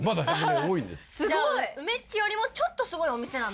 梅っちよりもちょっとすごいお店なんだ。